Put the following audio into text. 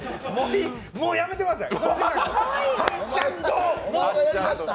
もうやめてください！